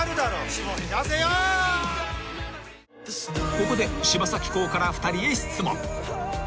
［ここで柴咲コウから２人へ質問］